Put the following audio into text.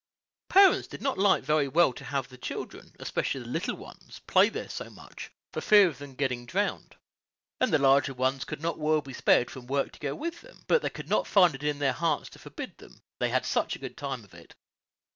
Parents did not like very well to have the children, especially the little ones, play there so much, for fear of their getting drowned; and the larger ones could not well be spared from work to go with them; but they could not find it in their hearts to forbid them, they had such a good time of it.